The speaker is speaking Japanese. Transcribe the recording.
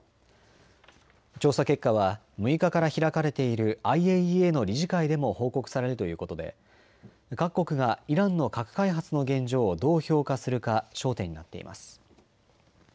調査結果は６日から開かれているＩＡＥＡの理事会でも報告されるということで各国がイランの核開発の現状をどう評価するか焦点になっています。